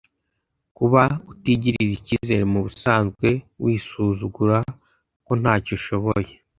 Kuba utigirira ikizere mu busanzwe (wisuzugura ko nta cyo ushoboye )